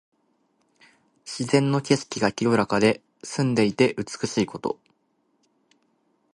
自然の景色が清らかで澄んでいて美しいこと。